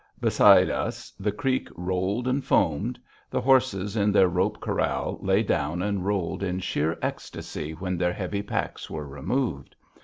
Beside us, the creek rolled and foamed. The horses, in their rope corral, lay down and rolled in sheer ecstasy when their heavy packs were removed.